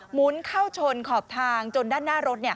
หุนเข้าชนขอบทางจนด้านหน้ารถ